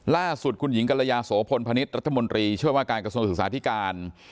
ล่าสุดคุณหญิงกรยาโสพลพนิษฐ์รัฐมนตรีช่วยว่าการกระทรวงศึกษาธิการ